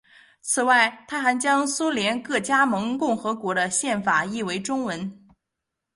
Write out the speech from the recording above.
此外他还将苏联各加盟共和国的宪法译为中文。